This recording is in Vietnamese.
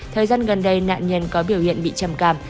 thời gian gần đây nạn nhân có biểu hiện bị chầm càm